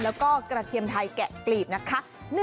แล้วก็กระเทียมไทยแกะกลีบนะคะ